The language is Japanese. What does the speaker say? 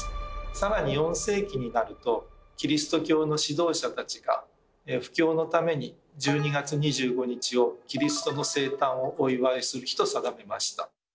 更に４世紀になるとキリスト教の指導者たちが布教のために１２月２５日をキリストの生誕をお祝いする日と定めました。